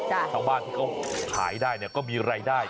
ชาวบ้านที่เขาขายได้เนี่ยก็มีรายได้